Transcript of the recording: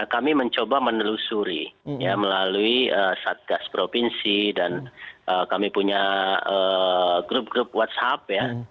kami mencoba menelusuri melalui satgas provinsi dan kami punya grup grup whatsapp ya